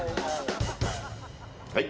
はい。